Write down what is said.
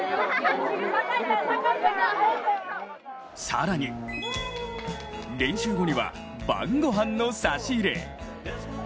更に練習後には晩ごはんの差し入れ。